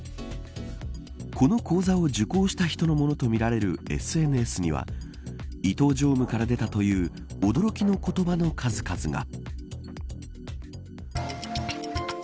この講座を受講した人のものとみられるＳＮＳには伊東常務から出たという驚きの言葉の数々が。